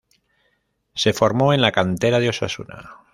Se formó en la cantera de Osasuna.